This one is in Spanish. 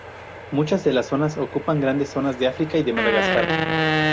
Muchas de las especies ocupan grandes zones de África y Madagascar.